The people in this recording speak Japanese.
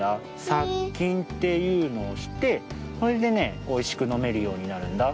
さっきんっていうのをしてそれでねおいしくのめるようになるんだ。